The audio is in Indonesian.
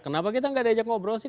kenapa kita tidak ada ajak ngobrol sih